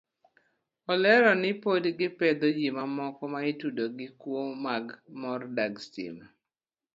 Olero ni pod gipedho ji mamoko maitudo gi kuo mag mor dag stima.